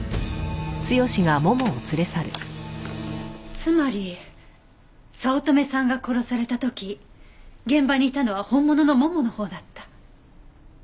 つまり早乙女さんが殺された時現場にいたのは本物のもものほうだった。